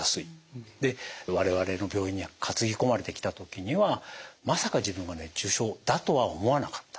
で我々の病院に担ぎ込まれてきた時にはまさか自分が熱中症だとは思わなかった。